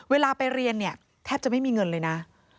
เวลาไปเรียนเนี่ยแทบจะไม่มีเงินเลยนะ